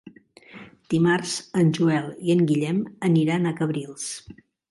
Dimarts en Joel i en Guillem aniran a Cabrils.